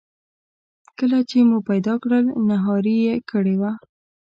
کله چې مو پیدا کړل نهاري یې کړې وه.